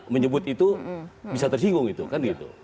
menyebut itu bisa tersinggung itu kan gitu